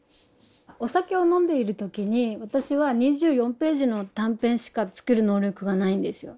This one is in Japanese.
お酒を飲んでいる時に私は２４ページの短編しか作る能力がないんですよ。